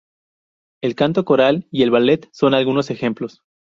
El canto coral y el ballet son algunos ejemplos.